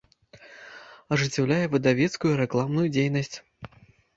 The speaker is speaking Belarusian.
Ажыццяўляе выдавецкую і рэкламную дзейнасць.